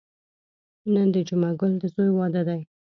نن د جمعه ګل د ځوی واده دی.